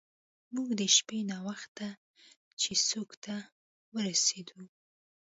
موږ د شپې ناوخته چیسوک ته ورسیدو.